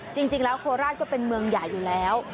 จริงแล้วโคราชก็เป็นเมืองใหญ่อยู่แล้ว